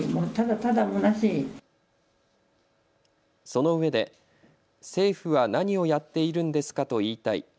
そのうえで政府は何をやっているんですかと言いたい。